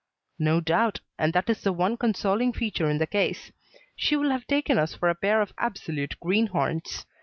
"No doubt. And that is the one consoling feature in the case. She will have taken us for a pair of absolute greenhorns.